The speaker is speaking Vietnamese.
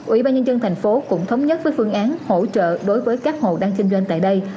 ủy ban nhân dân tp hcm cũng thống nhất với phương án hỗ trợ đối với các hồ đang kinh doanh tại đây